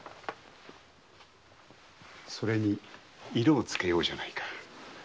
それに色をつけようじゃないか。